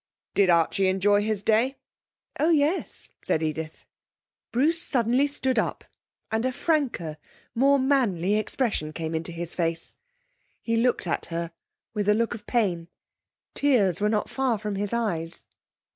'Did Archie enjoy his day?' 'Oh yes,' said Edith. Bruce suddenly stood up, and a franker, more manly expression came into his face. He looked at her with a look of pain. Tears were not far from his eyes.